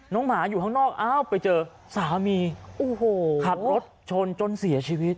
หมาอยู่ข้างนอกอ้าวไปเจอสามีโอ้โหขับรถชนจนเสียชีวิต